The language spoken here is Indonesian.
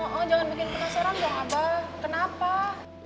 oh jangan bikin penasaran dong abah kenapa